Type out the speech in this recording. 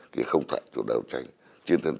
cái gì không thuận thì chúng ta hợp tác